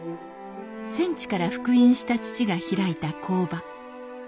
戦地から復員した父が開いた工場。